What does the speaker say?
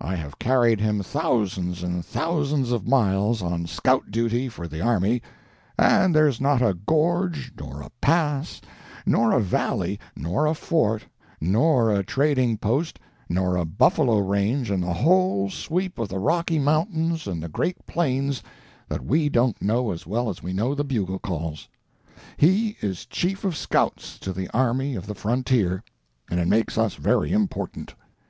I have carried him thousands and thousands of miles on scout duty for the army, and there's not a gorge, nor a pass, nor a valley, nor a fort, nor a trading post, nor a buffalo range in the whole sweep of the Rocky Mountains and the Great Plains that we don't know as well as we know the bugle calls. He is Chief of Scouts to the Army of the Frontier, and it makes us very important.